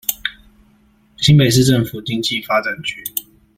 新北市政府經濟發展局